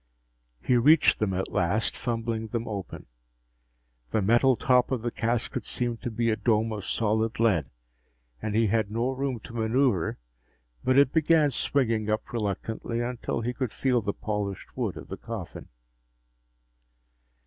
He reached them at last, fumbling them open. The metal top of the casket seemed to be a dome of solid lead, and he had no room to maneuver, but it began swinging up reluctantly, until he could feel the polished wood of the coffin.